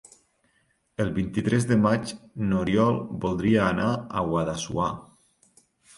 El vint-i-tres de maig n'Oriol voldria anar a Guadassuar.